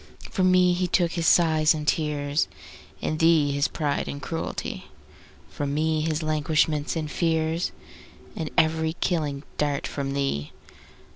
From me he took his sighs and tears, From thee his pride and cruelty; 10 From me his languishments and fears, And every killing dart from thee.